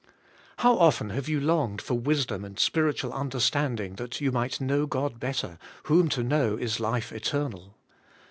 How often have you longed for wisdom and spirit ual understanding that you might hnow God better, whom to know is life eternal!